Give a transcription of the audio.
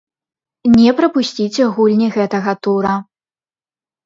Не прапусціце гульні гэтага тура.